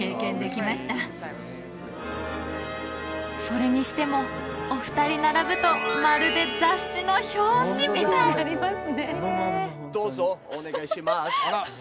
それにしてもお二人並ぶとまるで雑誌の表紙みたいどうぞお願いします